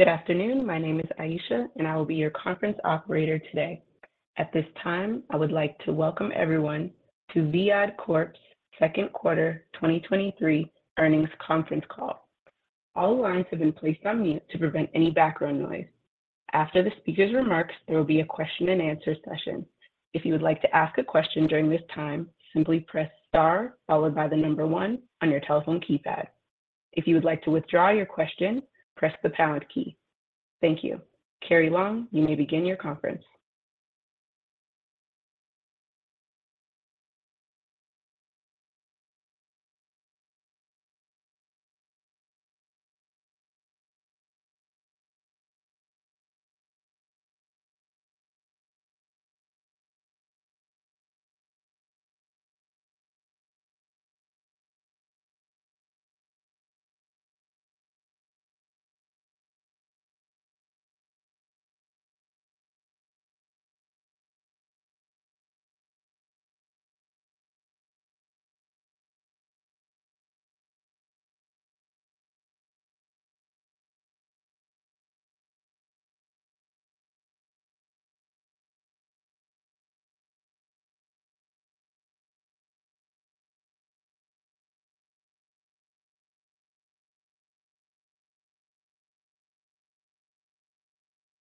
Good afternoon. My name is Aisha, and I will be your conference operator today. At this time, I would like to welcome everyone to Viad Corp's second quarter 2023 earnings conference call. All lines have been placed on mute to prevent any background noise. After the speaker's remarks, there will be a question and answer session. If you would like to ask a question during this time, simply press star followed by the number 1 on your telephone keypad. If you would like to withdraw your question, press the pound key. Thank you. Carrie Long, you may begin your conference.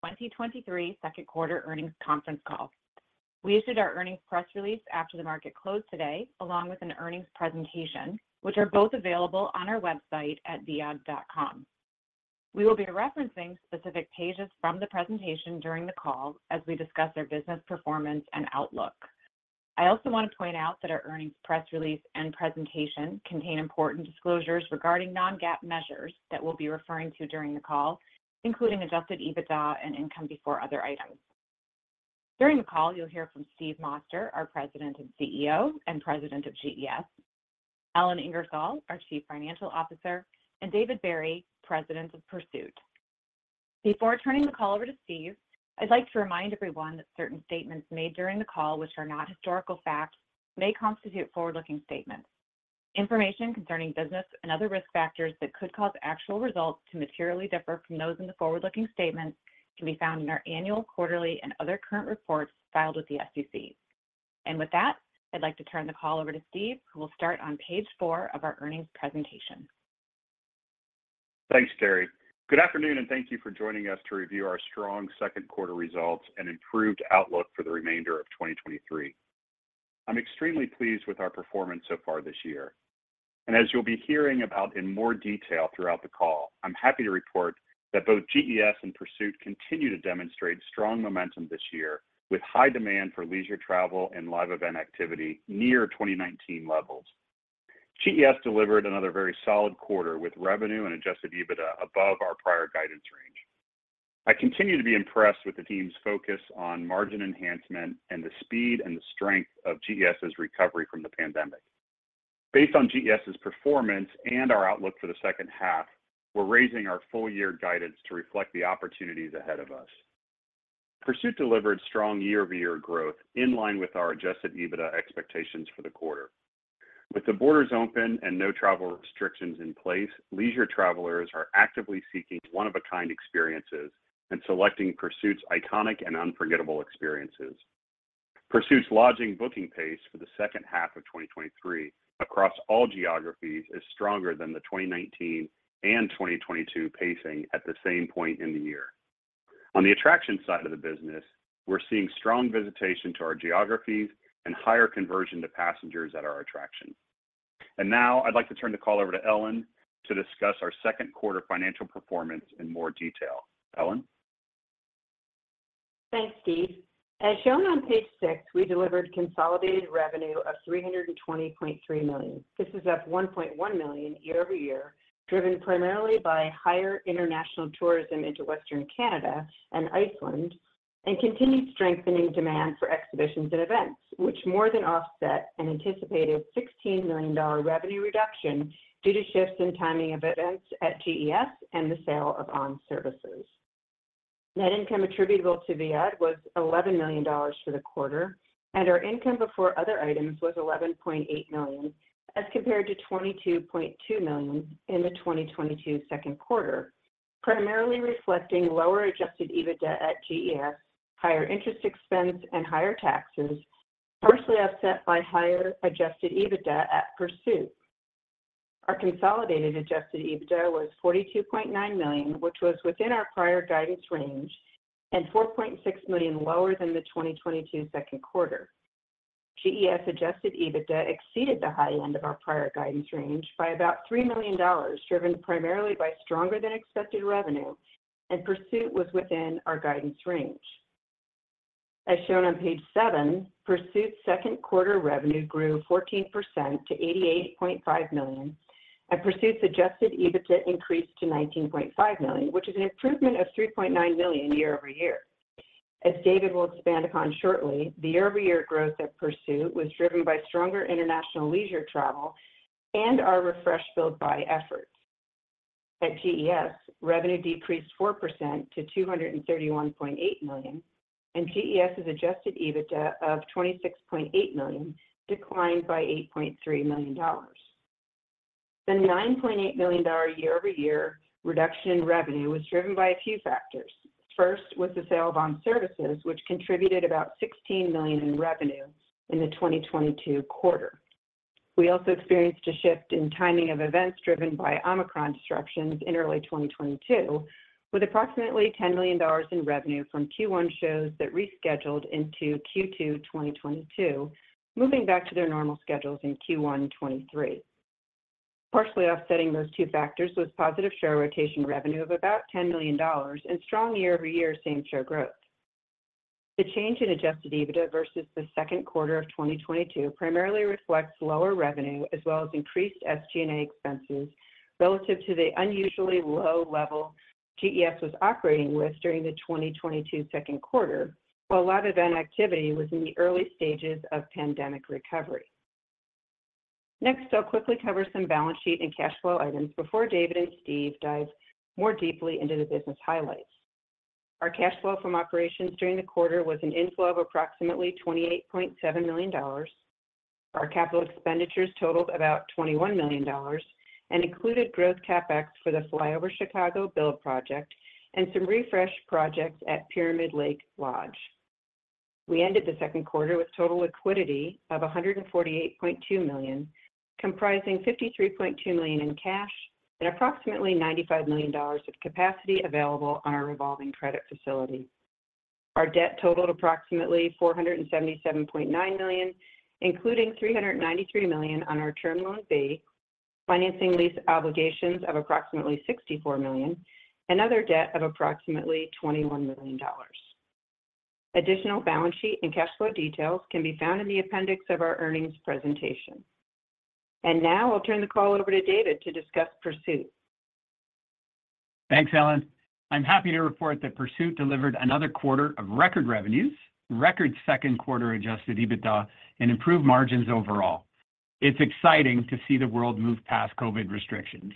2023 second quarter earnings conference call. We issued our earnings press release after the market closed today, along with an earnings presentation, which are both available on our website at viad.com. We will be referencing specific pages from the presentation during the call as we discuss our business performance and outlook. I also want to point out that our earnings press release and presentation contain important disclosures regarding non-GAAP measures that we'll be referring to during the call, including adjusted EBITDA and income before other items. During the call, you'll hear from Steve Moster, our President and CEO, and President of GES; Ellen Ingersoll, our Chief Financial Officer; and David Barry, President of Pursuit. Before turning the call over to Steve, I'd like to remind everyone that certain statements made during the call, which are not historical facts, may constitute forward-looking statements. Information concerning business and other risk factors that could cause actual results to materially differ from those in the forward-looking statements can be found in our annual, quarterly, and other current reports filed with the SEC. With that, I'd like to turn the call over to Steve, who will start on page four of our earnings presentation. Thanks, Carrie. Good afternoon, thank you for joining us to review our strong second quarter results and improved outlook for the remainder of 2023. I'm extremely pleased with our performance so far this year, and as you'll be hearing about in more detail throughout the call, I'm happy to report that both GES and Pursuit continue to demonstrate strong momentum this year, with high demand for leisure travel and live event activity near 2019 levels. GES delivered another very solid quarter with revenue and adjusted EBITDA above our prior guidance range. I continue to be impressed with the team's focus on margin enhancement and the speed and the strength of GES's recovery from the pandemic. Based on GES's performance and our outlook for the second half, we're raising our full year guidance to reflect the opportunities ahead of us. Pursuit delivered strong year-over-year growth in line with our adjusted EBITDA expectations for the quarter. With the borders open and no travel restrictions in place, leisure travelers are actively seeking one-of-a-kind experiences and selecting Pursuit's iconic and unforgettable experiences. Pursuit's lodging booking pace for the second half of 2023 across all geographies is stronger than the 2019 and 2022 pacing at the same point in the year. On the attraction side of the business, we're seeing strong visitation to our geographies and higher conversion to passengers at our attractions. Now I'd like to turn the call over to Ellen to discuss our second quarter financial performance in more detail. Ellen? Thanks, Steve. As shown on page six, we delivered consolidated revenue of $320.3 million. This is up $1.1 million year-over-year, driven primarily by higher international tourism into Western Canada and Iceland, and continued strengthening demand for exhibitions and events, which more than offset an anticipated $16 million revenue reduction due to shifts in timing of events at GES and the sale of On Services. Net income attributable to Viad was $11 million for the quarter, and our income before other items was $11.8 million, as compared to $22.2 million in the 2022 second quarter, primarily reflecting lower adjusted EBITDA at GES, higher interest expense, and higher taxes, partially offset by higher adjusted EBITDA at Pursuit. Our consolidated adjusted EBITDA was $42.9 million, which was within our prior guidance range, and $4.6 million lower than the 2022 second quarter. GES adjusted EBITDA exceeded the high end of our prior guidance range by about $3 million, driven primarily by stronger than expected revenue. Pursuit was within our guidance range. As shown on page seven, Pursuit's second quarter revenue grew 14% to $88.5 million, and Pursuit's adjusted EBITDA increased to $19.5 million, which is an improvement of $3.9 million year-over-year. As David will expand upon shortly, the year-over-year growth at Pursuit was driven by stronger international leisure travel and our refreshed build-by efforts. At GES, revenue decreased 4% to $231.8 million, GES's adjusted EBITDA of $26.8 million declined by $8.3 million. The $9.8 million year-over-year reduction in revenue was driven by a few factors. First, was the sale of On Services, which contributed about $16 million in revenue in the 2022 quarter. We also experienced a shift in timing of events driven by Omicron disruptions in early 2022, with approximately $10 million in revenue from Q1 shows that rescheduled into Q2 2022, moving back to their normal schedules in Q1 2023. Partially offsetting those two factors was positive show rotation revenue of about $10 million and strong year-over-year same-store growth. The change in adjusted EBITDA versus the second quarter of 2022 primarily reflects lower revenue, as well as increased SG&A expenses relative to the unusually low level GES was operating with during the 2022 second quarter, while a lot of that activity was in the early stages of pandemic recovery. I'll quickly cover some balance sheet and cash flow items before David and Steve dive more deeply into the business highlights. Our cash flow from operations during the quarter was an inflow of approximately $28.7 million. Our capital expenditures totaled about $21 million and included growth CapEx for the FlyOver Chicago build project and some refresh projects at Pyramid Lake Lodge. We ended the second quarter with total liquidity of $148.2 million, comprising $53.2 million in cash and approximately $95 million of capacity available on our revolving credit facility. Our debt totaled approximately $477.9 million, including $393 million on our term loan B, financing lease obligations of approximately $64 million, and other debt of approximately $21 million. Additional balance sheet and cash flow details can be found in the appendix of our earnings presentation. Now I'll turn the call over to David to discuss Pursuit. Thanks, Ellen. I'm happy to report that Pursuit delivered another quarter of record revenues, record second quarter adjusted EBITDA, and improved margins overall. It's exciting to see the world move past COVID restrictions.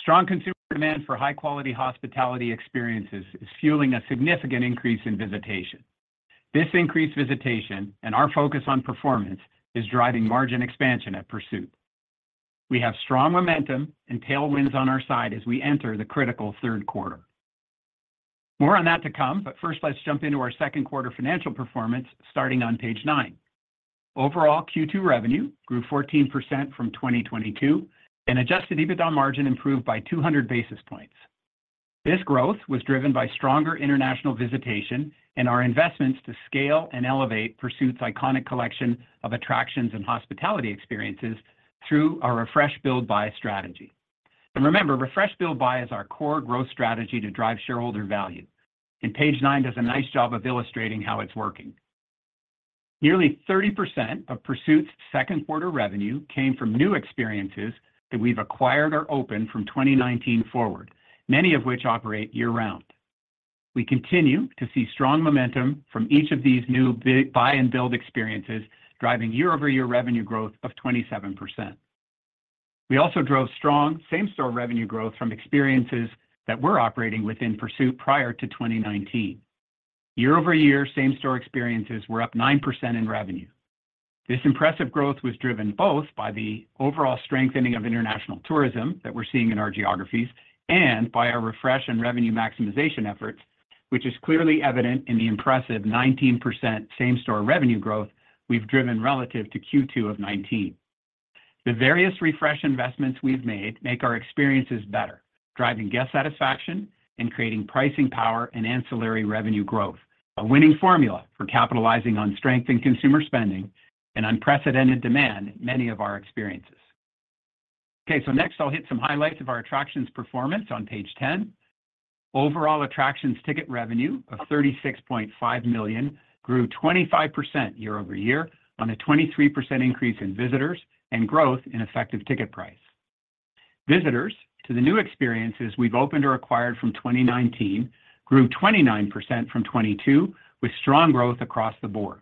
Strong consumer demand for high-quality hospitality experiences is fueling a significant increase in visitation. This increased visitation and our focus on performance is driving margin expansion at Pursuit. We have strong momentum and tailwinds on our side as we enter the critical third quarter. More on that to come, but first, let's jump into our second quarter financial performance, starting on page 9. Overall, Q2 revenue grew 14% from 2022, and adjusted EBITDA margin improved by 200 basis points. This growth was driven by stronger international visitation and our investments to scale and elevate Pursuit's iconic collection of attractions and hospitality experiences through our Refresh, Build, Buy strategy. Remember, Refresh, Build, Buy is our core growth strategy to drive shareholder value, and page 9 does a nice job of illustrating how it's working. Nearly 30% of Pursuit's second quarter revenue came from new experiences that we've acquired or opened from 2019 forward, many of which operate year-round. We continue to see strong momentum from each of these new buy and build experiences, driving year-over-year revenue growth of 27%. We also drove strong same-store revenue growth from experiences that were operating within Pursuit prior to 2019. Year-over-year, same-store experiences were up 9% in revenue. This impressive growth was driven both by the overall strengthening of international tourism that we're seeing in our geographies and by our refresh and revenue maximization efforts, which is clearly evident in the impressive 19% same-store revenue growth we've driven relative to Q2 of 2019. The various refresh investments we've made make our experiences better, driving guest satisfaction and creating pricing power and ancillary revenue growth, a winning formula for capitalizing on strength and consumer spending and unprecedented demand in many of our experiences. Next I'll hit some highlights of our attractions performance on page 10. Overall, attractions ticket revenue of $36.5 million grew 25% year-over-year on a 23% increase in visitors and growth in effective ticket price. Visitors to the new experiences we've opened or acquired from 2019 grew 29% from 2022, with strong growth across the board.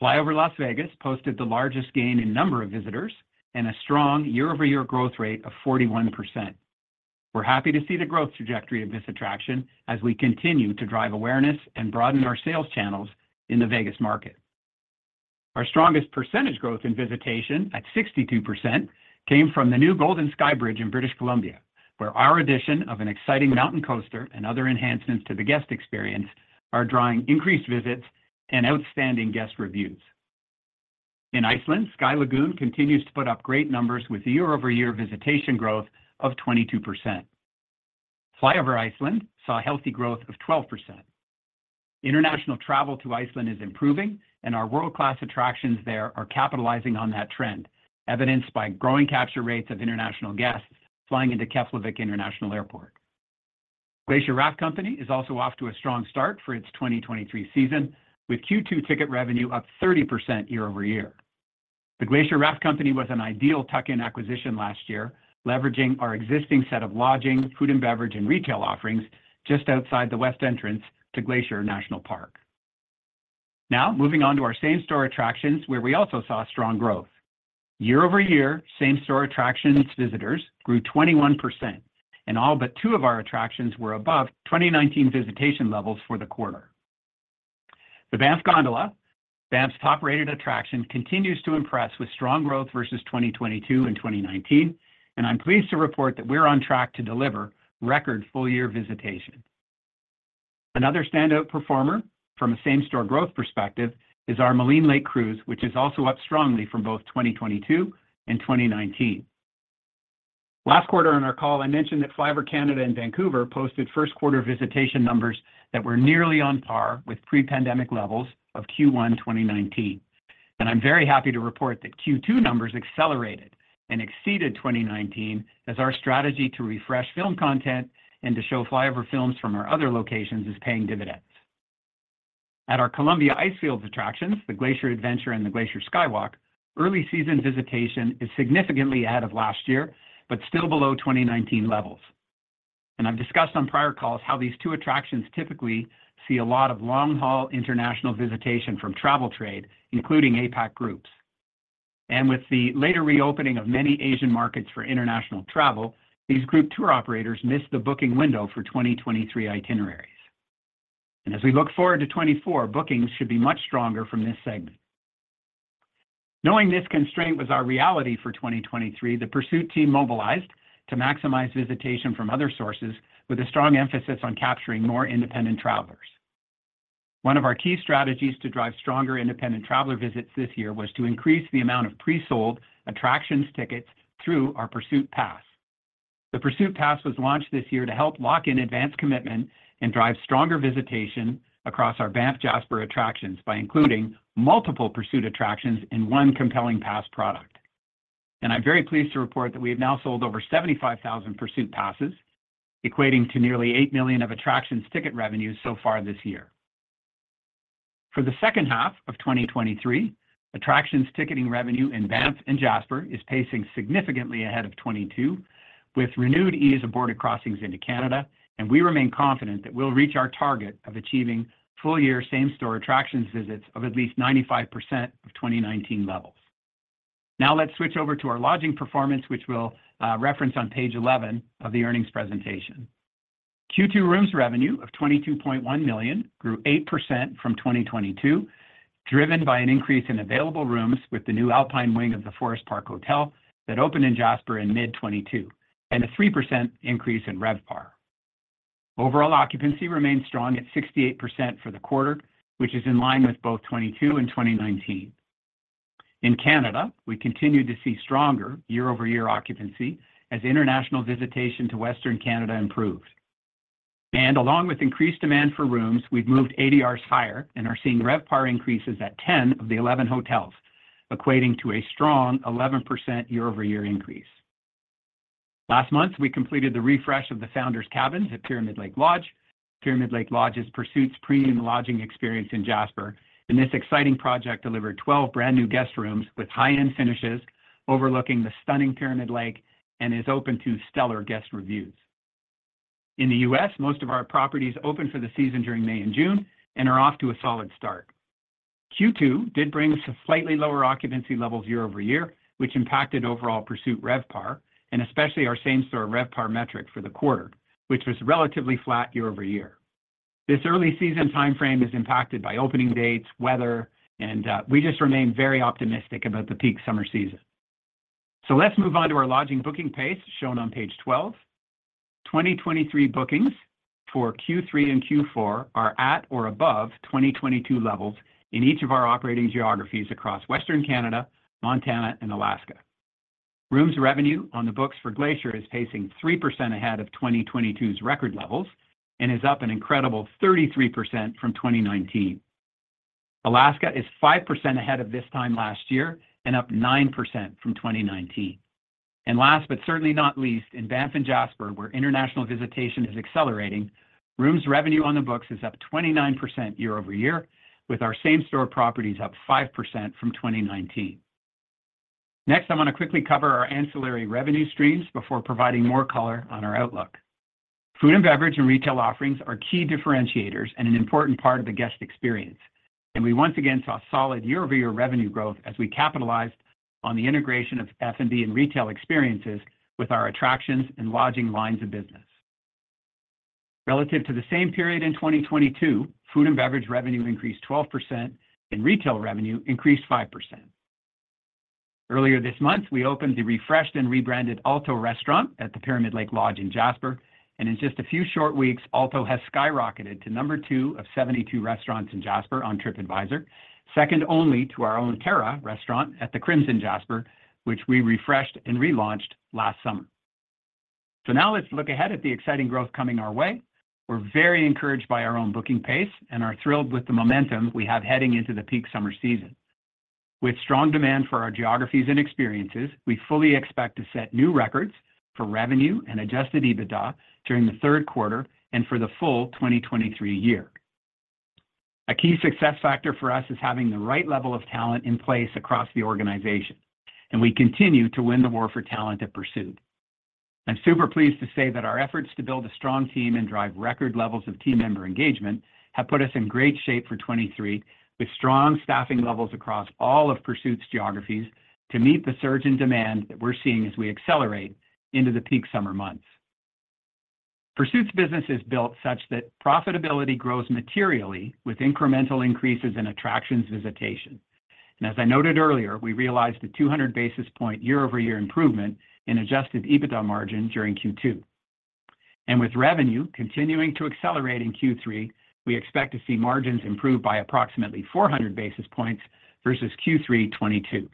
FlyOver Las Vegas posted the largest gain in number of visitors and a strong year-over-year growth rate of 41%. We're happy to see the growth trajectory of this attraction as we continue to drive awareness and broaden our sales channels in the Vegas market. Our strongest percentage growth in visitation, at 62%, came from the new Golden Skybridge in British Columbia, where our addition of an exciting mountain coaster and other enhancements to the guest experience are drawing increased visits and outstanding guest reviews. In Iceland, Sky Lagoon continues to put up great numbers with a year-over-year visitation growth of 22%. FlyOver Iceland saw a healthy growth of 12%. International travel to Iceland is improving, and our world-class attractions there are capitalizing on that trend, evidenced by growing capture rates of international guests flying into Keflavik International Airport. Glacier Raft Company is also off to a strong start for its 2023 season, with Q2 ticket revenue up 30% year-over-year. The Glacier Raft Company was an ideal tuck-in acquisition last year, leveraging our existing set of lodging, food and beverage, and retail offerings just outside the west entrance to Glacier National Park. Moving on to our same-store attractions, where we also saw strong growth. Year-over-year, same-store attractions visitors grew 21%, and all but two of our attractions were above 2019 visitation levels for the quarter. The Banff Gondola, Banff's top-rated attraction, continues to impress with strong growth versus 2022 and 2019, and I'm pleased to report that we're on track to deliver record full-year visitation. Another standout performer from a same-store growth perspective is our Maligne Lake Cruise, which is also up strongly from both 2022 and 2019. Last quarter on our call, I mentioned that FlyOver Canada and Vancouver posted first quarter visitation numbers that were nearly on par with pre-pandemic levels of Q1, 2019. I'm very happy to report that Q2 numbers accelerated and exceeded 2019, as our strategy to refresh film content and to show FlyOver films from our other locations is paying dividends. At our Columbia Icefields attractions, the Glacier Adventure and the Glacier Skywalk, early season visitation is significantly ahead of last year, but still below 2019 levels. I've discussed on prior calls how these two attractions typically see a lot of long-haul international visitation from travel trade, including APAC groups. With the later reopening of many Asian markets for international travel, these group tour operators missed the booking window for 2023 itineraries. As we look forward to 2024, bookings should be much stronger from this segment. Knowing this constraint was our reality for 2023, the Pursuit team mobilized to maximize visitation from other sources, with a strong emphasis on capturing more independent travelers. One of our key strategies to drive stronger independent traveler visits this year was to increase the amount of pre-sold attractions tickets through our Pursuit Pass. The Pursuit Pass was launched this year to help lock in advance commitment and drive stronger visitation across our Banff Jasper attractions by including multiple Pursuit attractions in one compelling pass product. I'm very pleased to report that we have now sold over 75,000 Pursuit Passes, equating to nearly $8 million of attractions ticket revenues so far this year. For the second half of 2023, attractions ticketing revenue in Banff and Jasper is pacing significantly ahead of 2022, with renewed ease of border crossings into Canada. We remain confident that we'll reach our target of achieving full-year same-store attractions visits of at least 95% of 2019 levels. Now let's switch over to our lodging performance, which we'll reference on page 11 of the earnings presentation. Q2 rooms revenue of $22.1 million grew 8% from 2022, driven by an increase in available rooms with the new Alpine Wing of the Forest Park Hotel that opened in Jasper in mid-2022, and a 3% increase in RevPAR. Overall occupancy remains strong at 68% for the quarter, which is in line with both 2022 and 2019. In Canada, we continue to see stronger year-over-year occupancy as international visitation to Western Canada improves. Along with increased demand for rooms, we've moved ADRs higher and are seeing RevPAR increases at 10 of the 11 hotels, equating to a strong 11% year-over-year increase. Last month, we completed the refresh of the Founders Cabins at Pyramid Lake Lodge. Pyramid Lake Lodge is Pursuit's premium lodging experience in Jasper, this exciting project delivered 12 brand-new guest rooms with high-end finishes overlooking the stunning Pyramid Lake and is open to stellar guest reviews. In the U.S., most of our properties opened for the season during May and June and are off to a solid start. Q2 did bring us a slightly lower occupancy levels year-over-year, which impacted overall Pursuit RevPAR, and especially our same-store RevPAR metric for the quarter, which was relatively flat year-over-year. This early season timeframe is impacted by opening dates, weather, we just remain very optimistic about the peak summer season. Let's move on to our lodging booking pace, shown on page 12. 2023 bookings for Q3 and Q4 are at or above 2022 levels in each of our operating geographies across Western Canada, Montana, and Alaska. Rooms revenue on the books for Glacier is pacing 3% ahead of 2022's record levels and is up an incredible 33% from 2019. Alaska is 5% ahead of this time last year and up 9% from 2019. Last but certainly not least, in Banff and Jasper, where international visitation is accelerating, rooms revenue on the books is up 29% year-over-year, with our same-store properties up 5% from 2019. Next, I'm going to quickly cover our ancillary revenue streams before providing more color on our outlook. Food and beverage and retail offerings are key differentiators and an important part of the guest experience, and we once again saw solid year-over-year revenue growth as we capitalized on the integration of F&B and retail experiences with our attractions and lodging lines of business. Relative to the same period in 2022, food and beverage revenue increased 12%, and retail revenue increased 5%. Earlier this month, we opened the refreshed and rebranded Aalto Restaurant at the Pyramid Lake Lodge in Jasper, and in just a few short weeks, Aalto has skyrocketed to number two of 72 restaurants in Jasper on Tripadvisor, second only to our own Terra restaurant at The Crimson Jasper, which we refreshed and relaunched last summer. Now let's look ahead at the exciting growth coming our way. We're very encouraged by our own booking pace and are thrilled with the momentum we have heading into the peak summer season. With strong demand for our geographies and experiences, we fully expect to set new records for revenue and adjusted EBITDA during the third quarter and for the full 2023 year. A key success factor for us is having the right level of talent in place across the organization, we continue to win the war for talent at Pursuit. I'm super pleased to say that our efforts to build a strong team and drive record levels of team member engagement have put us in great shape for 2023, with strong staffing levels across all of Pursuit's geographies to meet the surge in demand that we're seeing as we accelerate into the peak summer months. Pursuit's business is built such that profitability grows materially with incremental increases in attractions visitation. As I noted earlier, we realized a 200 basis point year-over-year improvement in adjusted EBITDA margin during Q2. With revenue continuing to accelerate in Q3, we expect to see margins improve by approximately 400 basis points versus Q3 2022.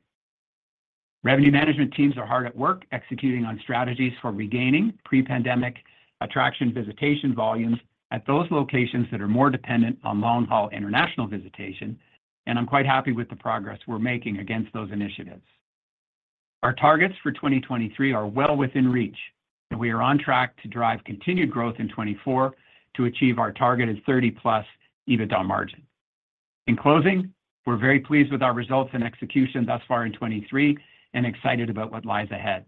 Revenue management teams are hard at work executing on strategies for regaining pre-pandemic attraction visitation volumes at those locations that are more dependent on long-haul international visitation, I'm quite happy with the progress we're making against those initiatives. Our targets for 2023 are well within reach, we are on track to drive continued growth in 2024 to achieve our targeted 30+ EBITDA margin. In closing, we're very pleased with our results and execution thus far in 2023, excited about what lies ahead.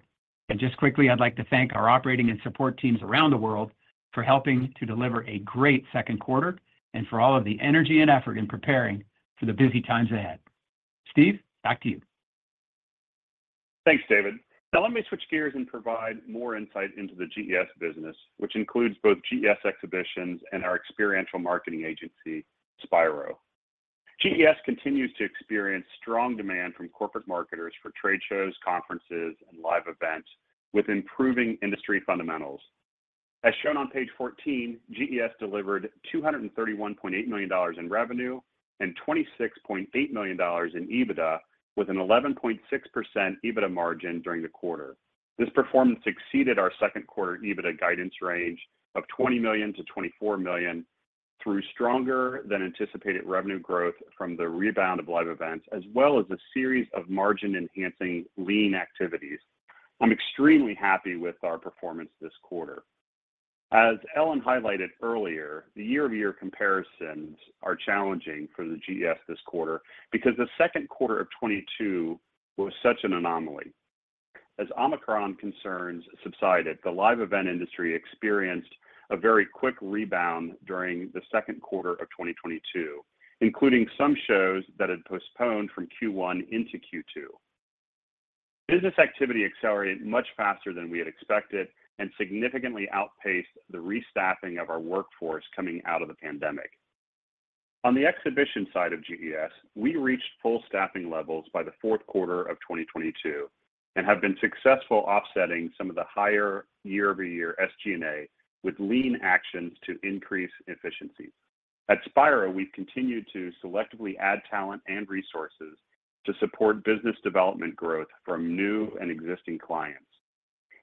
Just quickly, I'd like to thank our operating and support teams around the world for helping to deliver a great second quarter and for all of the energy and effort in preparing for the busy times ahead. Steve, back to you. Thanks, David. Let me switch gears and provide more insight into the GES business, which includes both GES Exhibitions and our experiential marketing agency, Spiro. GES continues to experience strong demand from corporate marketers for trade shows, conferences, and live events, with improving industry fundamentals. As shown on page 14, GES delivered $231.8 million in revenue and $26.8 million in EBITDA, with an 11.6% EBITDA margin during the quarter. This performance exceeded our second quarter EBITDA guidance range of $20 million-$24 million through stronger than anticipated revenue growth from the rebound of live events, as well as a series of margin-enhancing lean activities. I'm extremely happy with our performance this quarter. As Ellen highlighted earlier, the year-over-year comparisons are challenging for the GES this quarter because the second quarter of 2022 was such an anomaly. As Omicron concerns subsided, the live event industry experienced a very quick rebound during the second quarter of 2022, including some shows that had postponed from Q1 into Q2. Business activity accelerated much faster than we had expected and significantly outpaced the restaffing of our workforce coming out of the pandemic. On the exhibition side of GES, we reached full staffing levels by the fourth quarter of 2022 and have been successful offsetting some of the higher year-over-year SG&A with lean actions to increase efficiencies. At Spiro, we've continued to selectively add talent and resources to support business development growth from new and existing clients.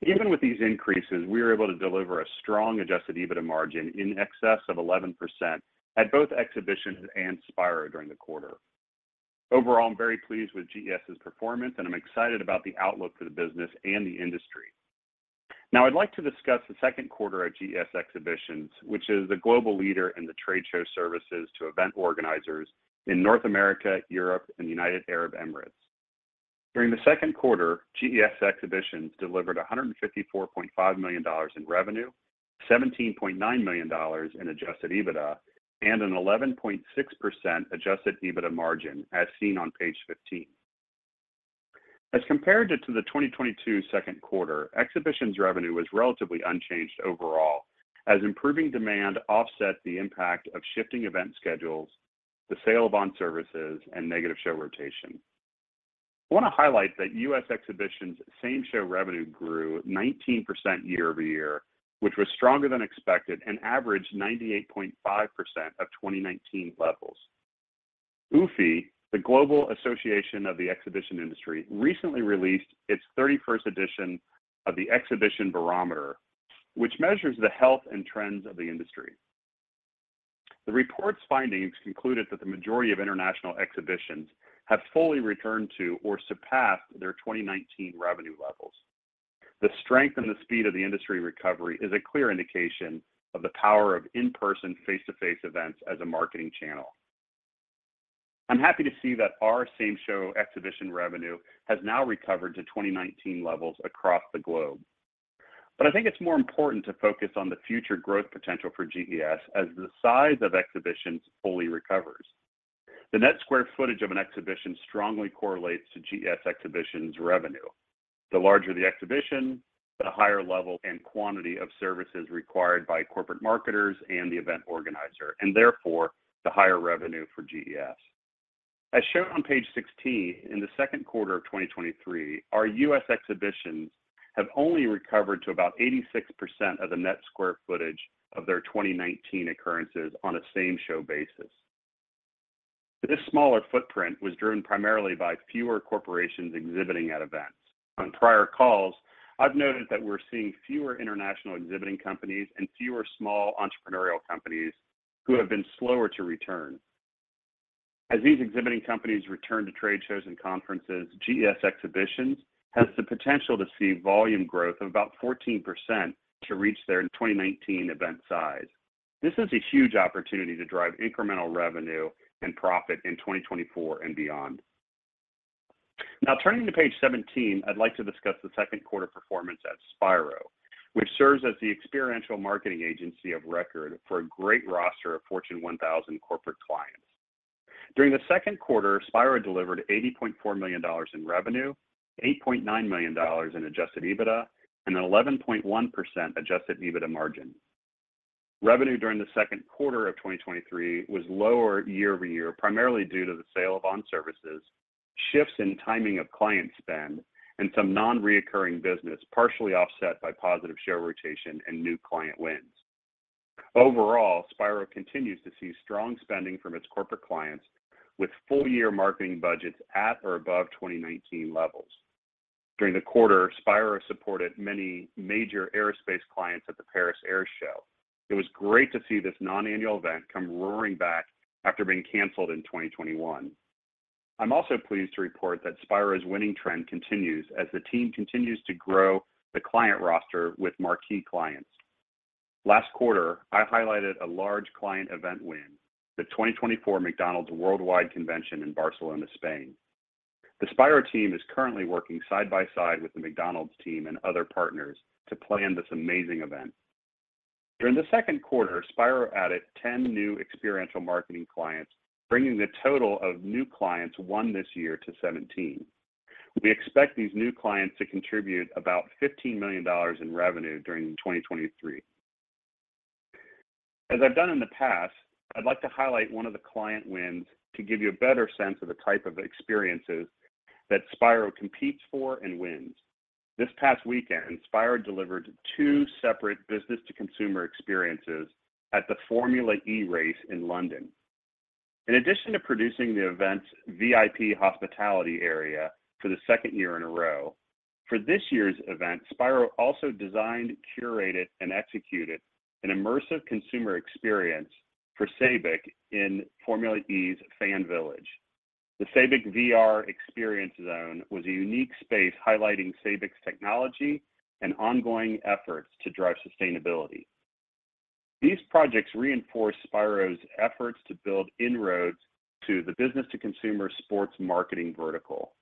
Even with these increases, we are able to deliver a strong adjusted EBITDA margin in excess of 11% at both Exhibitions and Spiro during the quarter. Overall, I'm very pleased with GES's performance, I'm excited about the outlook for the business and the industry. Now, I'd like to discuss the second quarter of GES Exhibitions, which is the global leader in the trade show services to event organizers in North America, Europe, and the United Arab Emirates. During the second quarter, GES Exhibitions delivered $154.5 million in revenue, $17.9 million in adjusted EBITDA, an 11.6% adjusted EBITDA margin, as seen on page 15. As compared to the 2022 second quarter, Exhibitions revenue was relatively unchanged overall, as improving demand offset the impact of shifting event schedules, the sale of On Services, and negative show rotation. I want to highlight that U.S. Exhibitions' same-show revenue grew 19% year-over-year, which was stronger than expected and averaged 98.5% of 2019 levels. UFI, The Global Association of the Exhibition Industry, recently released its 31st edition of the Exhibition Barometer, which measures the health and trends of the industry. The report's findings concluded that the majority of international exhibitions have fully returned to or surpassed their 2019 revenue levels. The strength and the speed of the industry recovery is a clear indication of the power of in-person, face-to-face events as a marketing channel. I'm happy to see that our same-show exhibition revenue has now recovered to 2019 levels across the globe. I think it's more important to focus on the future growth potential for GES as the size of exhibitions fully recovers. The net square footage of an exhibition strongly correlates to GES Exhibitions revenue. The larger the exhibition, the higher level and quantity of services required by corporate marketers and the event organizer, and therefore, the higher revenue for GES. Shown on page 16, in the second quarter of 2023, our U.S. exhibitions have only recovered to about 86% of the net square footage of their 2019 occurrences on a same-show basis. This smaller footprint was driven primarily by fewer corporations exhibiting at events. On prior calls, I've noted that we're seeing fewer international exhibiting companies and fewer small entrepreneurial companies who have been slower to return. These exhibiting companies return to trade shows and conferences, GES Exhibitions has the potential to see volume growth of about 14% to reach their 2019 event size. This is a huge opportunity to drive incremental revenue and profit in 2024 and beyond. Turning to page 17, I'd like to discuss the second quarter performance at Spiro, which serves as the experiential marketing agency of record for a great roster of Fortune 1000 corporate clients. During the second quarter, Spiro delivered $80.4 million in revenue, $8.9 million in adjusted EBITDA, and an 11.1% adjusted EBITDA margin. Revenue during the second quarter of 2023 was lower year-over-year, primarily due to the sale of On Services, shifts in timing of client spend, and some non-recurring business, partially offset by positive show rotation and new client wins. Spiro continues to see strong spending from its corporate clients, with full year marketing budgets at or above 2019 levels. During the quarter, Spiro supported many major aerospace clients at the Paris Air Show. It was great to see this non-annual event come roaring back after being canceled in 2021. I'm also pleased to report that Spiro's winning trend continues as the team continues to grow the client roster with marquee clients. Last quarter, I highlighted a large client event win, the 2024 McDonald's Worldwide Convention in Barcelona, Spain. The Spiro team is currently working side by side with the McDonald's team and other partners to plan this amazing event. During the second quarter, Spiro added 10 new experiential marketing clients, bringing the total of new clients won this year to 17. We expect these new clients to contribute about $15 million in revenue during 2023. As I've done in the past, I'd like to highlight one of the client wins to give you a better sense of the type of experiences that Spiro competes for and wins. This past weekend, Spiro delivered two separate business to consumer experiences at the Formula E race in London. In addition to producing the event's VIP hospitality area for the 2nd year in a row, for this year's event, Spiro also designed, curated, and executed an immersive consumer experience for SABIC in Formula E's Fan Village. The SABIC VR Experience Zone was a unique space highlighting SABIC's technology and ongoing efforts to drive sustainability. These projects reinforce Spiro's efforts to build inroads to the business to consumer sports marketing vertical.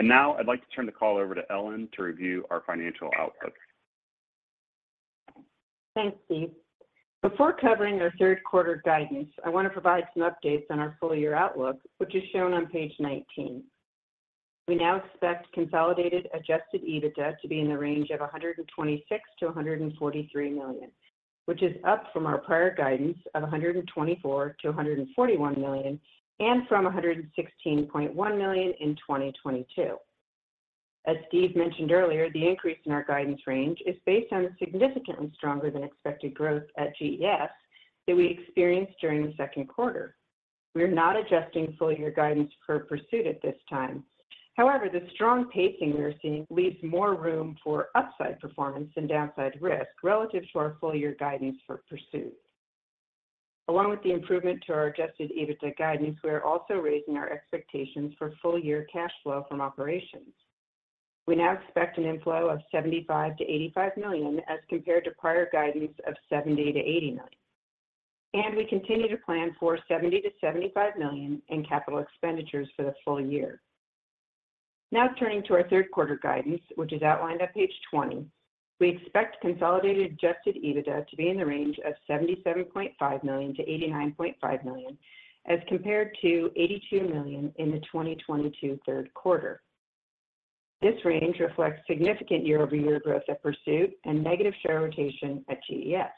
Now I'd like to turn the call over to Ellen to review our financial outlook. Thanks, Steve. Before covering our third quarter guidance, I want to provide some updates on our full year outlook, which is shown on page 19. We now expect consolidated adjusted EBITDA to be in the range of $126 million-$143 million, which is up from our prior guidance of $124 million-$141 million and from $116.1 million in 2022. As Steve mentioned earlier, the increase in our guidance range is based on significantly stronger than expected growth at GES that we experienced during the second quarter. We are not adjusting full year guidance for Pursuit at this time. The strong pacing we are seeing leaves more room for upside performance and downside risk relative to our full year guidance for Pursuit. Along with the improvement to our adjusted EBITDA guidance, we are also raising our expectations for full year cash flow from operations. We now expect an inflow of $75 million-$85 million as compared to prior guidance of $70 million-$80 million. We continue to plan for $70 million-$75 million in capital expenditures for the full year. Turning to our third quarter guidance, which is outlined on page 20, we expect consolidated adjusted EBITDA to be in the range of $77.5 million-$89.5 million, as compared to $82 million in the 2022 third quarter. This range reflects significant year-over-year growth at Pursuit and negative show rotation at GES.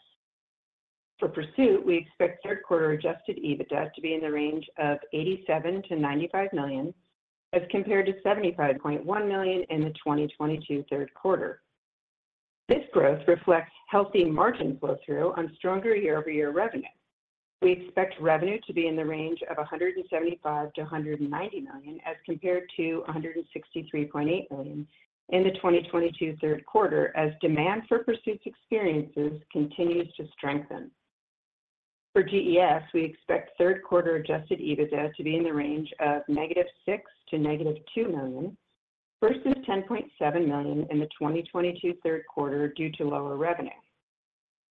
For Pursuit, we expect third quarter adjusted EBITDA to be in the range of $87 million-$95 million, as compared to $75.1 million in the 2022 third quarter. This growth reflects healthy margin flow through on stronger year-over-year revenue. We expect revenue to be in the range of $175 million to $190 million, as compared to $163.8 million in the 2022 third quarter, as demand for Pursuit experiences continues to strengthen. For GES, we expect third quarter adjusted EBITDA to be in the range of -$6 million to -$2 million, versus $10.7 million in the 2022 third quarter due to lower revenue.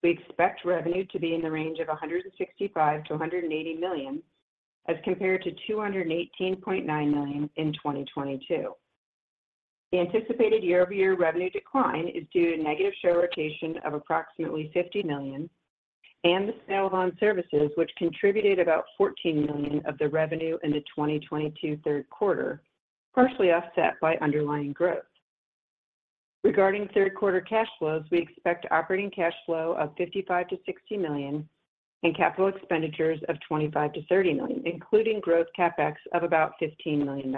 We expect revenue to be in the range of $165 million to $180 million, as compared to $218.9 million in 2022. The anticipated year-over-year revenue decline is due to negative show rotation of approximately $50 million and the sale of On Services, which contributed about $14 million of the revenue in the 2022 third quarter, partially offset by underlying growth. Regarding third quarter cash flows, we expect operating cash flow of $55 million-$60 million and capital expenditures of $25 million-$30 million, including growth CapEx of about $15 million.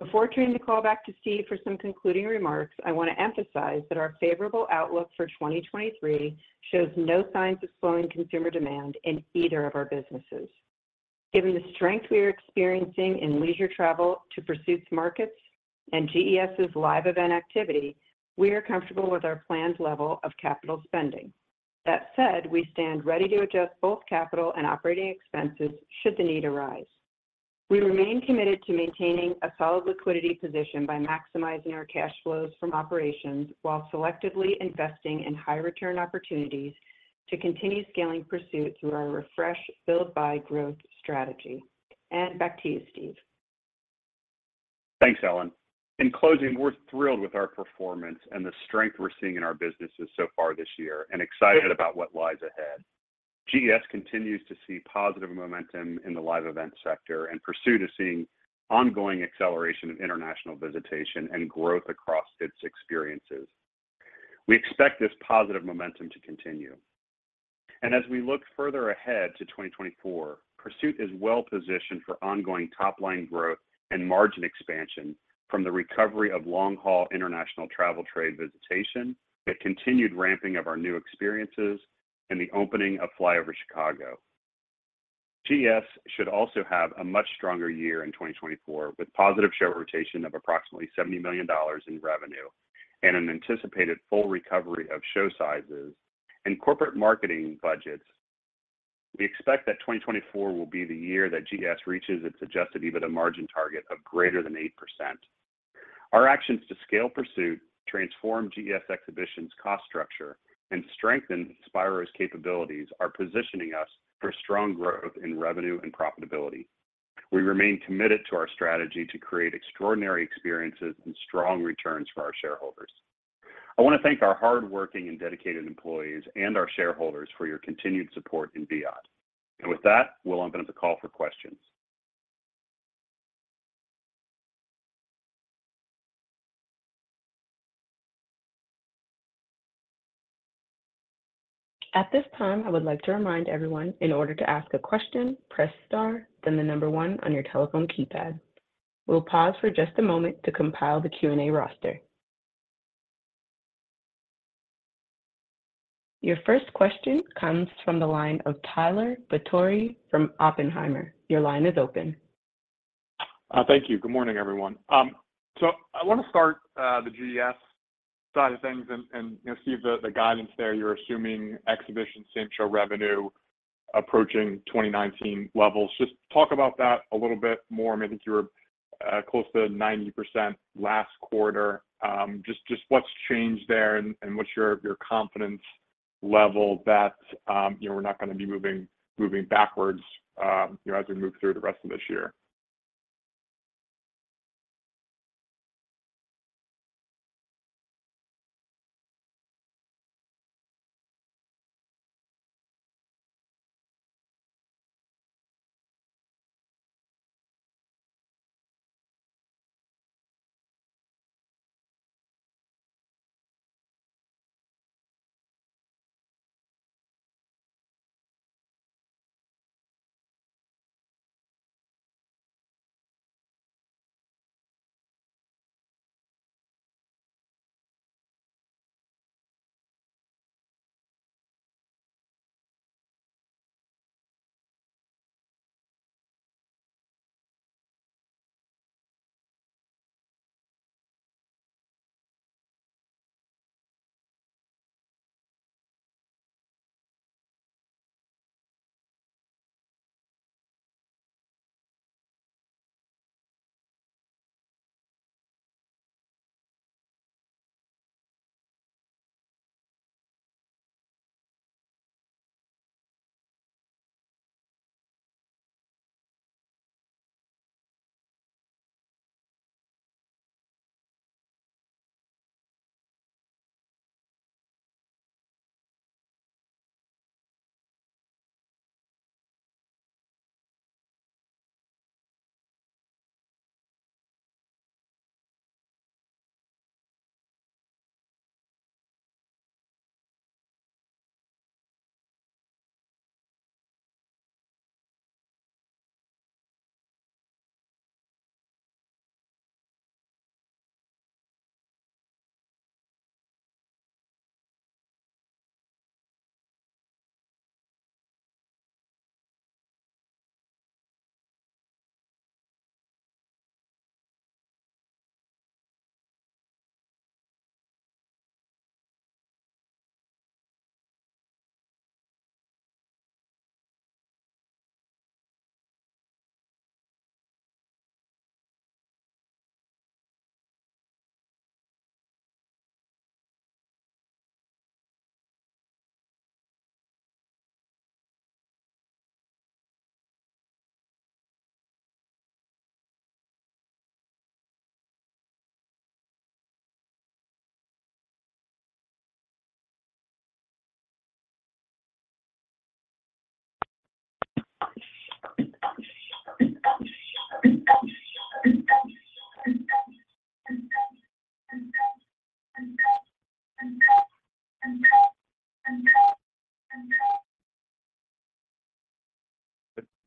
Before turning the call back to Steve for some concluding remarks, I want to emphasize that our favorable outlook for 2023 shows no signs of slowing consumer demand in either of our businesses. Given the strength we are experiencing in leisure travel to Pursuit's markets and GES's live event activity, we are comfortable with our planned level of capital spending. That said, we stand ready to adjust both capital and operating expenses should the need arise. We remain committed to maintaining a solid liquidity position by maximizing our cash flows from operations while selectively investing in high return opportunities to continue scaling Pursuit through our Refresh, Build, Buy growth strategy. Back to you, Steve. Thanks, Ellen. In closing, we're thrilled with our performance and the strength we're seeing in our businesses so far this year, excited about what lies ahead. GES continues to see positive momentum in the live event sector, Pursuit is seeing ongoing acceleration of international visitation and growth across its experiences. We expect this positive momentum to continue. As we look further ahead to 2024, Pursuit is well positioned for ongoing top-line growth and margin expansion from the recovery of long-haul international travel trade visitation, the continued ramping of our new experiences, and the opening of FlyOver Chicago. GES should also have a much stronger year in 2024, with positive show rotation of approximately $70 million in revenue and an anticipated full recovery of show sizes and corporate marketing budgets. We expect that 2024 will be the year that GES reaches its adjusted EBITDA margin target of greater than 8%. Our actions to scale Pursuit, transform GES Exhibitions' cost structure, and strengthen Spiro's capabilities are positioning us for strong growth in revenue and profitability. We remain committed to our strategy to create extraordinary experiences and strong returns for our shareholders. I want to thank our hardworking and dedicated employees and our shareholders for your continued support in Viad. With that, we'll open up the call for questions. At this time, I would like to remind everyone, in order to ask a question, press star, then the 1 on your telephone keypad. We'll pause for just a moment to compile the Q&A roster. Your first question comes from the line of Tyler Batory from Oppenheimer. Your line is open. Thank you. Good morning, everyone. I want to start the GES side of things and, and, you know, see the, the guidance there. You're assuming exhibition same-show revenue approaching 2019 levels. Just talk about that a little bit more. I think you were close to 90% last quarter. Just, just what's changed there and, and what's your, your confidence level that, you know, we're not going to be moving, moving backwards, you know, as we move through the rest of this year?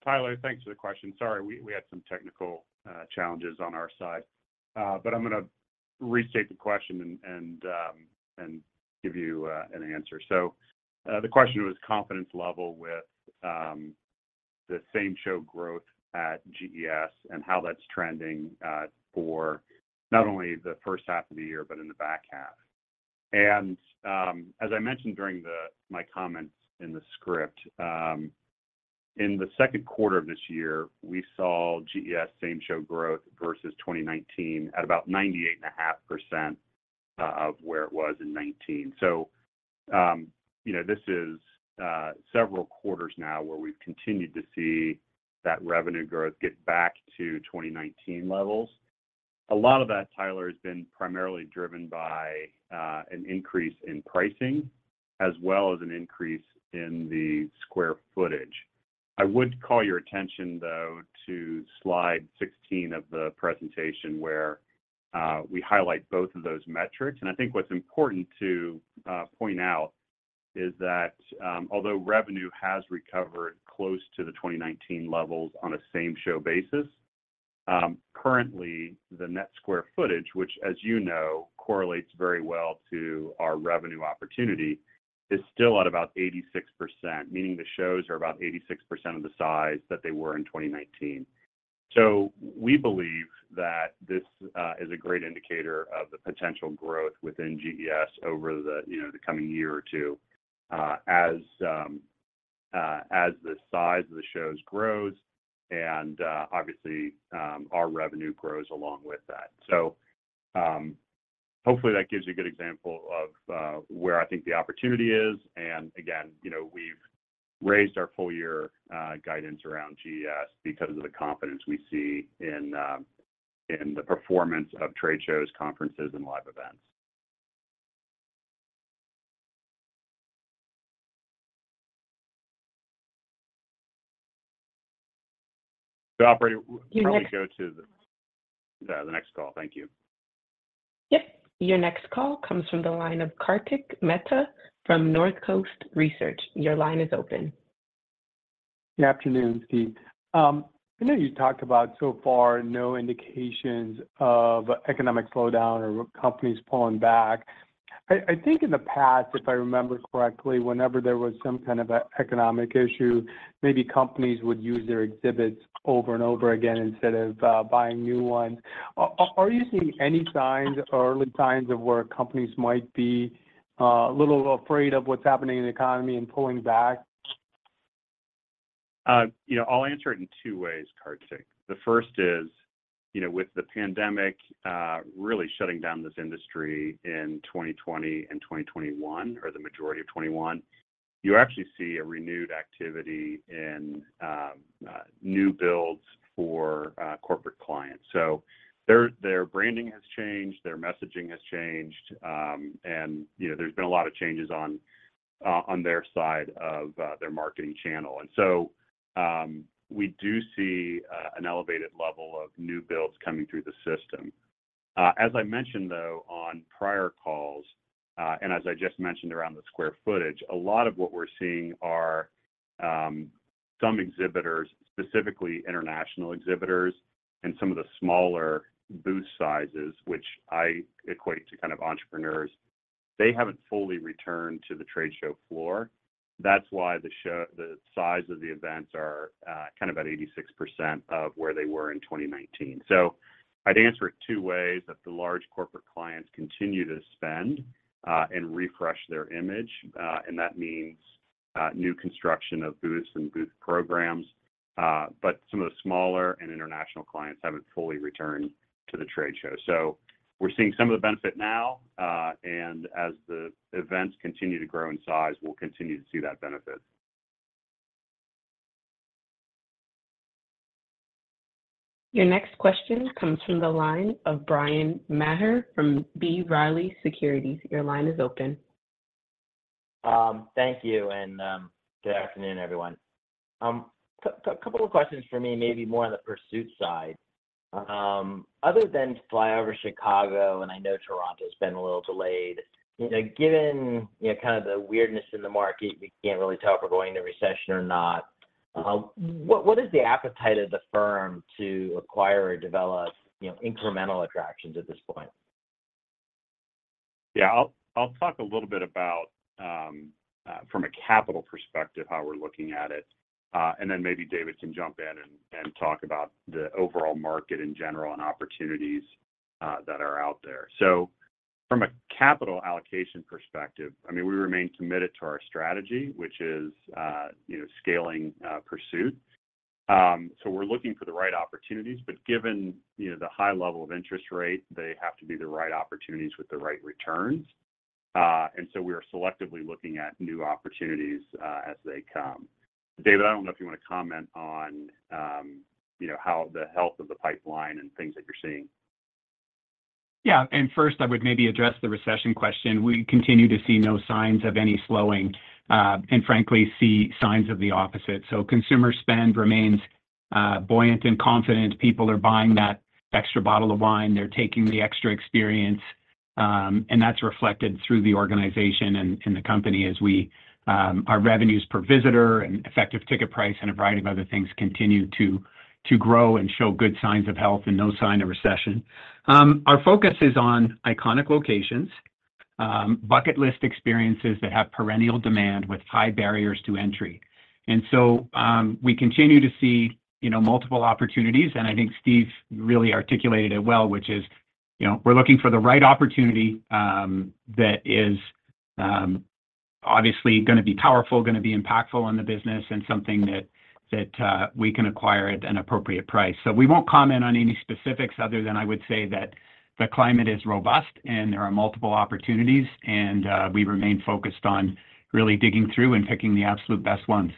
Tyler, thanks for the question. Sorry, we, we had some technical challenges on our side, but I'm going to restate the question and give you an answer. The question was confidence level with the same show growth at GES and how that's trending for not only the first half of the year, but in the back half. As I mentioned during my comments in the script, in the second quarter of this year, we saw GES same show growth versus 2019 at about 98.5% of where it was in 2019. You know, this is several quarters now where we've continued to see that revenue growth get back to 2019 levels. A lot of that, Tyler, has been primarily driven by an increase in pricing, as well as an increase in the square footage. I would call your attention, though, to slide 16 of the presentation, where we highlight both of those metrics. I think what's important to point out is that although revenue has recovered close to the 2019 levels on a same-show basis, currently, the net square footage, which, as you know, correlates very well to our revenue opportunity, is still at about 86%, meaning the shows are about 86% of the size that they were in 2019. We believe that this is a great indicator of the potential growth within GES over the, you know, the coming year or two, as the size of the shows grows and, obviously, our revenue grows along with that. Hopefully that gives you a good example of where I think the opportunity is. Again, you know, we've raised our full year guidance around GES because of the confidence we see in the performance of trade shows, conferences, and live events. Operator. Your next- Why don't you go to the, the next call? Thank you. Yep. Your next call comes from the line of Kartik Mehta from Northcoast Research. Your line is open. Good afternoon, Steve. I know you talked about so far, no indications of economic slowdown or companies pulling back. I think in the past, if I remember correctly, whenever there was some kind of economic issue, maybe companies would use their exhibits over and over again instead of buying new ones. Are you seeing any signs or early signs of where companies might be a little afraid of what's happening in the economy and pulling back? You know, I'll answer it in two ways, Kartik. The first is, you know, with the pandemic, really shutting down this industry in 2020 and 2021, or the majority of 2021, you actually see a renewed activity in new builds for corporate clients. So their branding has changed, their messaging has changed, and, you know, there's been a lot of changes on their side of their marketing channel. And so, we do see an elevated level of new builds coming through the system. As I mentioned, though, on prior calls, and as I just mentioned around the net square footage, a lot of what we're seeing are some exhibitors, specifically international exhibitors, and some of the smaller booth sizes, which I equate to kind of entrepreneurs. They haven't fully returned to the trade show floor. That's why the size of the events are kind of at 86% of where they were in 2019. I'd answer it two ways: that the large corporate clients continue to spend and refresh their image, and that means new construction of booths and booth programs, but some of the smaller and international clients haven't fully returned to the trade show. We're seeing some of the benefit now, and as the events continue to grow in size, we'll continue to see that benefit. Your next question comes from the line of Brian Maher from B. Riley Securities. Your line is open. Thank you, good afternoon, everyone. Couple of questions for me, maybe more on the Pursuit side. Other than FlyOver Chicago, I know Toronto's been a little delayed, you know, given, you know, kind of the weirdness in the market, we can't really tell if we're going to recession or not, what, what is the appetite of the firm to acquire or develop, you know, incremental attractions at this point? Yeah. I'll, I'll talk a little bit about from a capital perspective, how we're looking at it, and then maybe David can jump in and talk about the overall market in general and opportunities that are out there. From a capital allocation perspective, I mean, we remain committed to our strategy, which is, you know, scaling Pursuit. We're looking for the right opportunities, but given, you know, the high level of interest rate, they have to be the right opportunities with the right returns. We are selectively looking at new opportunities as they come. David, I don't know if you want to comment on, you know, how the health of the pipeline and things that you're seeing. Yeah. First, I would maybe address the recession question. We continue to see no signs of any slowing, and frankly, see signs of the opposite. Consumer spend remains buoyant and confident. People are buying that extra bottle of wine. They're taking the extra experience, and that's reflected through the organization and, and the company as we our revenues per visitor and effective ticket price, and a variety of other things continue to, to grow and show good signs of health and no sign of recession. Our focus is on iconic locations, bucket list experiences that have perennial demand with high barriers to entry. We continue to see, you know, multiple opportunities, and I think Steve really articulated it well, which is, you know, we're looking for the right opportunity, that is... obviously going to be powerful, going to be impactful on the business, and something that, that we can acquire at an appropriate price. We won't comment on any specifics other than I would say that the climate is robust and there are multiple opportunities, and we remain focused on really digging through and picking the absolute best ones.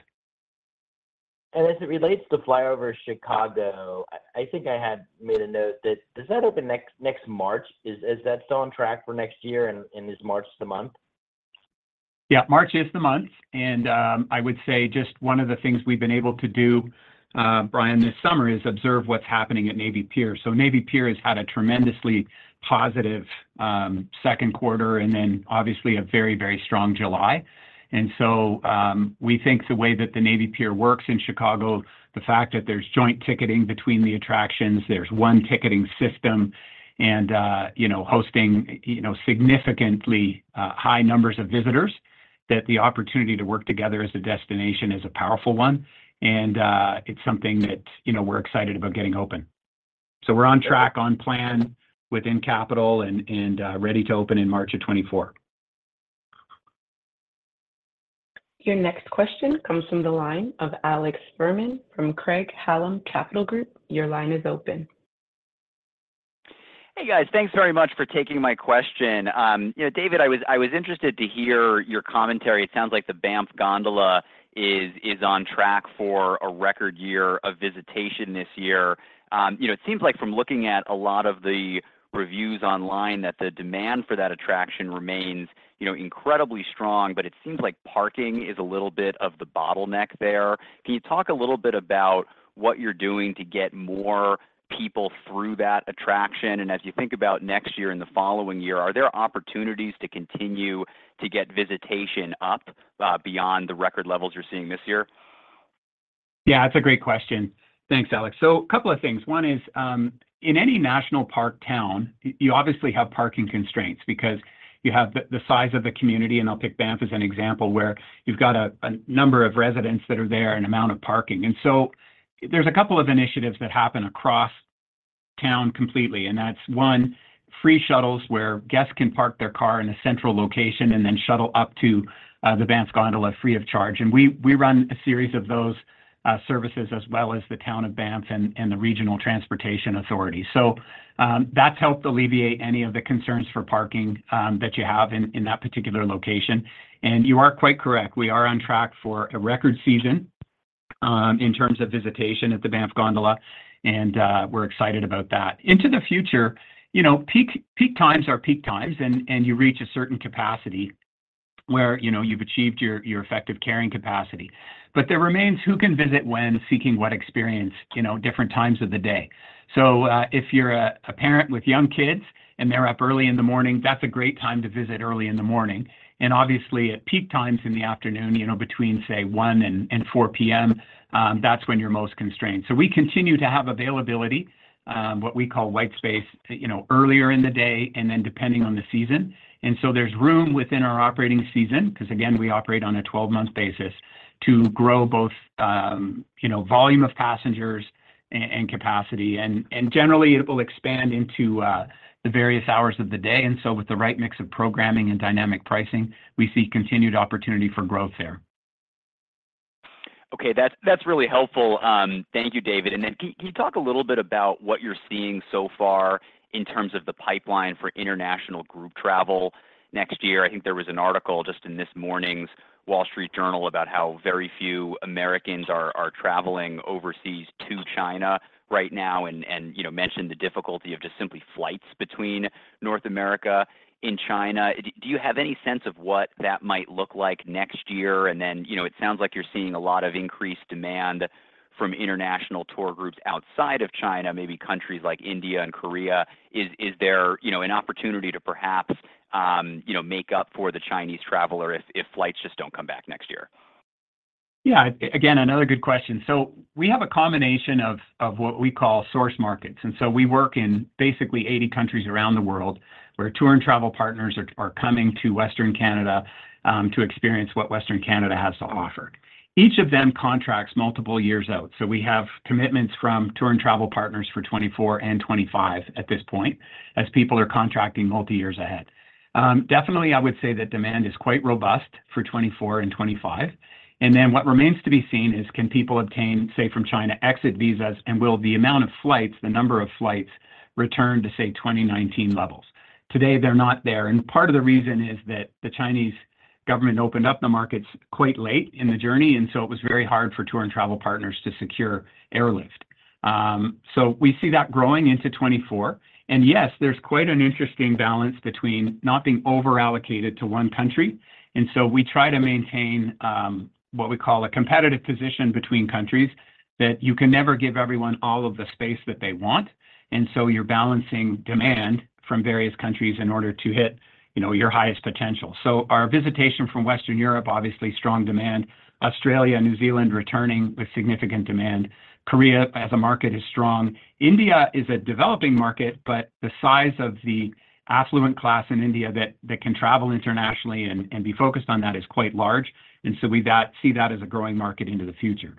As it relates to FlyOver Chicago, I think I had made a note, does that open next, next March? Is that still on track for next year, and is March the month? Yeah, March is the month. I would say just one of the things we've been able to do, Brian, this summer, is observe what's happening at Navy Pier. Navy Pier has had a tremendously positive second quarter, obviously a very, very strong July. We think the way that the Navy Pier works in Chicago, the fact that there's joint ticketing between the attractions, there's one ticketing system, you know, hosting, you know, significantly high numbers of visitors, that the opportunity to work together as a destination is a powerful one, it's something that, you know, we're excited about getting open. We're on track, on plan within capital, ready to open in March of 2024. Your next question comes from the line of Alex Fuhrman from Craig-Hallum Capital Group. Your line is open. Hey, guys. Thanks very much for taking my question. You know, David, I was, I was interested to hear your commentary. It sounds like the Banff Gondola is, is on track for a record year of visitation this year. You know, it seems like from looking at a lot of the reviews online, that the demand for that attraction remains, you know, incredibly strong, but it seems like parking is a little bit of the bottleneck there. Can you talk a little bit about what you're doing to get more people through that attraction? As you think about next year and the following year, are there opportunities to continue to get visitation up beyond the record levels you're seeing this year? Yeah, that's a great question. Thanks, Alex. A couple of things. One is, in any national park town, you obviously have parking constraints because you have the size of the community, and I'll pick Banff as an example, where you've got a number of residents that are there and amount of parking. There's a couple of initiatives that happen across town completely, and that's, one, free shuttles where guests can park their car in a central location and then shuttle up to the Banff Gondola free of charge. We, we run a series of those services, as well as the town of Banff and the regional transportation authority. That's helped alleviate any of the concerns for parking that you have in that particular location. You are quite correct, we are on track for a record season, in terms of visitation at the Banff Gondola, and we're excited about that. Into the future, you know, peak, peak times are peak times, and you reach a certain capacity where, you know, you've achieved your effective carrying capacity. There remains who can visit when, seeking what experience, you know, different times of the day. If you're a parent with young kids and they're up early in the morning, that's a great time to visit early in the morning. Obviously, at peak times in the afternoon, you know, between, say, 1 P.M. and 4 P.M., that's when you're most constrained. We continue to have availability, what we call white space, you know, earlier in the day and then depending on the season. There's room within our operating season, 'cause again, we operate on a 12-month basis, to grow both, you know, volume of passengers and capacity. Generally, it will expand into the various hours of the day, and so with the right mix of programming and dynamic pricing, we see continued opportunity for growth there. Okay, that's, that's really helpful. Thank you, David. Then can you talk a little bit about what you're seeing so far in terms of the pipeline for international group travel next year? I think there was an article just in this morning's Wall Street Journal about how very few Americans are, are travelling overseas to China right now, and, you know, mentioned the difficulty of just simply flights between North America and China. Do you have any sense of what that might look like next year? Then, you know, it sounds like you're seeing a lot of increased demand from international tour groups outside of China, maybe countries like India and Korea. Is there, you know, an opportunity to perhaps, you know, make up for the Chinese traveller if, if flights just don't come back next year? Yeah, again, another good question. We have a combination of what we call source markets, and so we work in basically 80 countries around the world, where tour and travel partners are coming to Western Canada to experience what Western Canada has to offer. Each of them contracts multiple years out, so we have commitments from tour and travel partners for 2024 and 2025 at this point, as people are contracting multi years ahead. Definitely, I would say that demand is quite robust for 2024 and 2025. What remains to be seen is, can people obtain, say, from China, exit visas, and will the amount of flights, the number of flights, return to, say, 2019 levels? Today, they're not there. Part of the reason is that the Chinese government opened up the markets quite late in the journey, it was very hard for tour and travel partners to secure airlift. We see that growing into 2024. Yes, there's quite an interesting balance between not being over-allocated to one country, we try to maintain what we call a competitive position between countries, that you can never give everyone all of the space that they want, you're balancing demand from various countries in order to hit, you know, your highest potential. Our visitation from Western Europe, obviously, strong demand. Australia and New Zealand, returning with significant demand. Korea, as a market, is strong. India is a developing market, but the size of the affluent class in India that, that can travel internationally and, and be focused on that is quite large, and so we see that as a growing market into the future.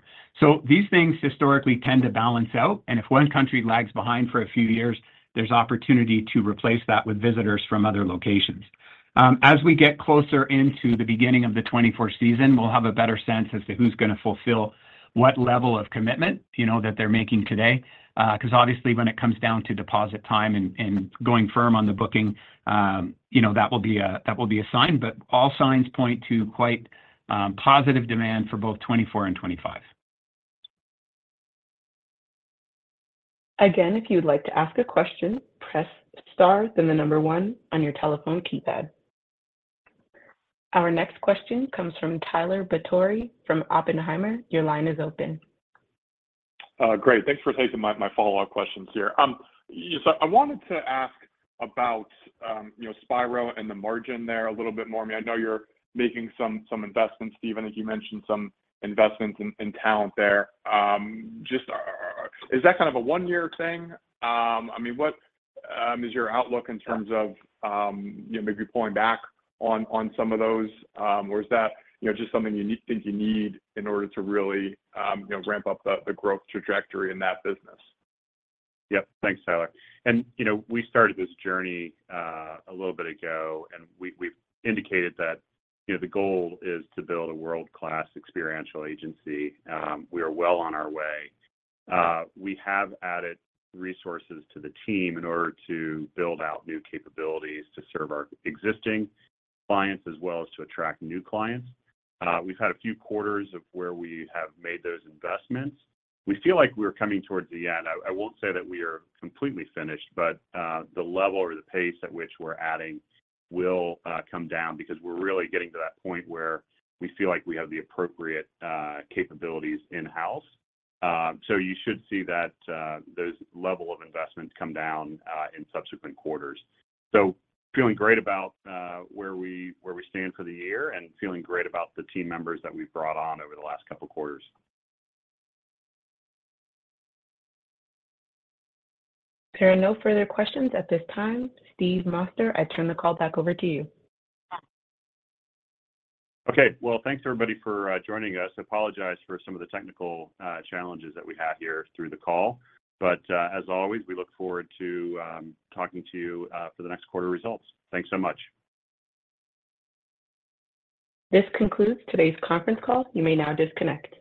These things historically tend to balance out, and if one country lags behind for a few years, there's opportunity to replace that with visitors from other locations. As we get closer into the beginning of the 2024 season, we'll have a better sense as to who's gonna fulfill what level of commitment, you know, that they're making today. 'Cause obviously, when it comes down to deposit time and, and going firm on the booking, you know, that will be a, that will be a sign. All signs point to quite positive demand for both 2024 and 2025. Again, if you'd like to ask a question, press star, then the 1 on your telephone keypad. Our next question comes from Tyler Batory from Oppenheimer. Your line is open. Great. Thanks for taking my, my follow-up questions here. Yeah, I wanted to ask about, you know, Spiro and the margin there a little bit more. I mean, I know you're making some, some investments, even as you mentioned, some investments in, in talent there. Just, is that kind of a 1-year thing? I mean, what is your outlook in terms of, you know, maybe pulling back on, on some of those? Is that, you know, just something you think you need in order to really, you know, ramp up the, the growth trajectory in that business? Yep. Thanks, Tyler. You know, we started this journey a little bit ago, and we, we've indicated that, you know, the goal is to build a world-class experiential agency. We are well on our way. We have added resources to the team in order to build out new capabilities to serve our existing clients, as well as to attract new clients. We've had a few quarters of where we have made those investments. We feel like we're coming towards the end. I, I won't say that we are completely finished, but the level or the pace at which we're adding will come down because we're really getting to that point where we feel like we have the appropriate capabilities in-house. You should see that those level of investments come down in subsequent quarters. Feeling great about where we, where we stand for the year and feeling great about the team members that we've brought on over the last couple quarters. There are no further questions at this time. Steve Moster, I turn the call back over to you. Okay. Well, thanks, everybody, for joining us. I apologize for some of the technical challenges that we had here through the call. As always, we look forward to talking to you for the next quarter results. Thanks so much. This concludes today's conference call. You may now disconnect.